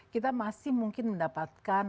kita masih mungkin mendapatkan